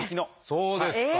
そうですか！